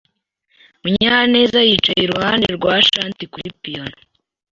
Munyanez yicaye iruhande rwa Ashanti kuri piyano.